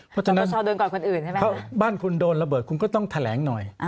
เพราะฉะนั้นบ้านคุณโดนระเบิดคุณก็ต้องแถลงหน่อย